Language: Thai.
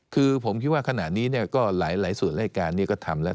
คือผมคิดว่าขณะนี้ก็หลายส่วนรายการนี้ก็ทำแล้ว